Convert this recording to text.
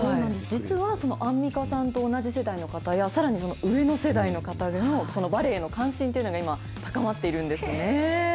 実はアンミカさんと同じ世代の方や、さらに上の世代の方でも、そのバレエの関心というのが今、高まっているんですね。